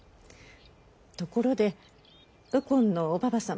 ところで右近のおばば様。